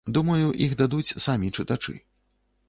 Думаю, іх дадуць самі чытачы.